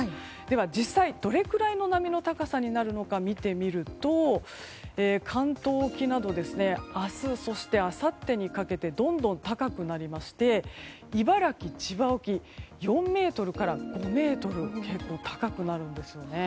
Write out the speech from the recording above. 実際、どれくらいの波の高さになるのか見てみると関東沖など明日、そしてあさってにかけてどんどん高くなりまして茨城、千葉沖４ｍから５ｍと結構高くなるんです。